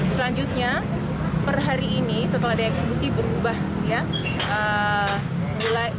selanjutnya per hari ini setelah dieksekusi berubah ya